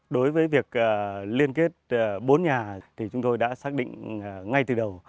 đối với việc liên kết bốn nhà thì chúng tôi đã xác định ngay từ đầu